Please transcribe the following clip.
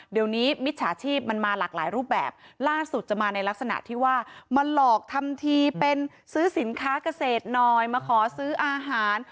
เดี๋ยวนี้มิจฉาชีพมันมาหลากหลายรูปแบบล่าสุดจะมาในลักษณะที่ว่ามาหลอกทำทีเป็นซื้อสินค้าเกษตรหน่อยมาขอซื้ออาหาร